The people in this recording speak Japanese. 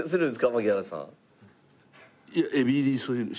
槙原さん。